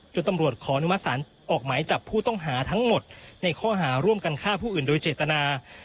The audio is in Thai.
ตำรวจขออนุมัติศาลออกหมายจับผู้ต้องหาทั้งหมดในข้อหาร่วมกันฆ่าผู้อื่นโดยเจตนา